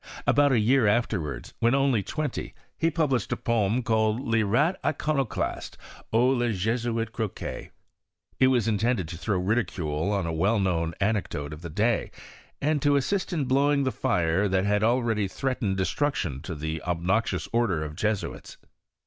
About a year afterwards, when only twenty, he published a poem called '* Le Rat Icono olaste, ou le Jesuite croquee." It was intended to tiffow ridicule on a well known anecdote of the day, and to assist in blowing the fire that already threat ened destruction to the obnoxious order of Jesuits.